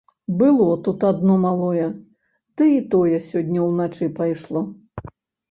Было тут адно малое, ды і тое сёння ўначы пайшло.